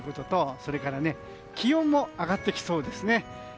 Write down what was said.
それから、気温も上がってきそうですね。